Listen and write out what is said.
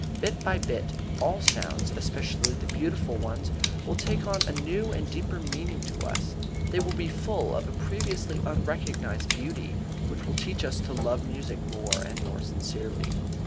Bit by bit all sounds, especially beautiful ones, will take on a new and deeper meaning to us; they will be full of a previously unrecognized beauty which will teach us to love music more and more sincerely.